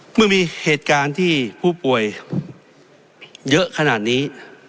เมื่อมีเหตุการณ์ที่ผู้ป่วยเยอะขนาดนี้